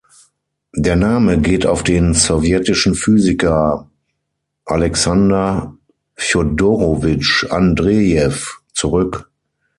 Der Name geht auf den sowjetischen Physiker Alexander Fjodorowitsch Andrejew zurück.